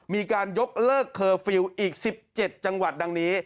มีการยกเลิกเคอร์ฟิลล์อีก๑๗จังหวัดดังนี้